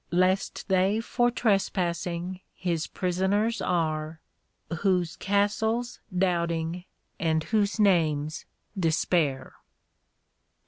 Lest they for trespassing his prisoners are, Whose Castle's Doubting, and whose name's Despair.